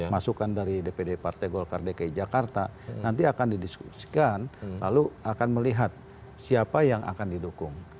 masukan dari dpd partai golkar dki jakarta nanti akan didiskusikan lalu akan melihat siapa yang akan didukung